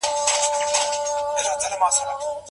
که مورنۍ ژبه وي، نو د زده کړې کیفیت به ښه شي.